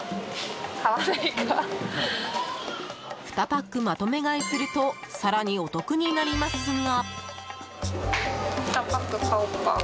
２パックまとめ買いすると更にお得になりますが。